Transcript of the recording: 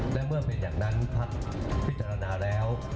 และเมื่อเป็นอย่างนั้นพักพิจารณาแล้ว